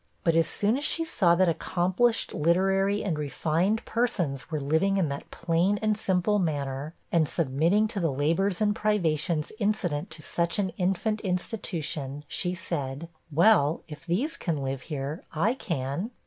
But as soon as she saw that accomplished, literary, and refined persons were living in that plain and simple manner, and submitting to the labors and privations incident to such an infant institution, she said, 'Well, if these can live here, I can.'